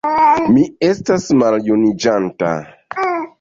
Mi estas maljuniĝanta.